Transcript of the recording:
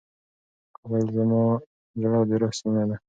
کابل زما د زړه او د روح مېنه ده.